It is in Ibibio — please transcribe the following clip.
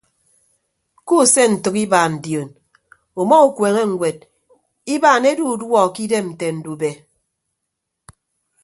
Kuuse ntәk ibaan dion uma ukueene ñwed ibaan edu uduọ ke idem nte ndube.